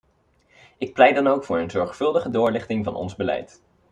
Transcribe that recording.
Ik pleit dan ook voor een zorgvuldige doorlichting van ons beleid.